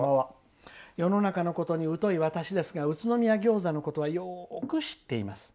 世の中のことに疎い私ですが宇都宮餃子のことはよく知っています。